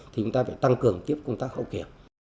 thì chúng ta phải tăng cường tiếp công tác hậu kiểm